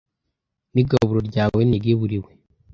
N’igaburo ryawe neguriwe